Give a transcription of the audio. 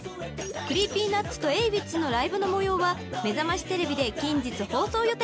［ＣｒｅｅｐｙＮｕｔｓとＡｗｉｃｈのライブの模様は『めざましテレビ』で近日放送予定］